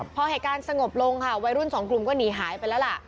พอเหตุการณ์สงบลงค่ะวัยรุ่นสองกลุ่มก็หนีหายไปแล้วล่ะ